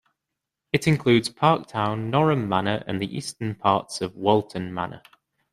It includes Park Town, Norham Manor, and the eastern parts of Walton Manor.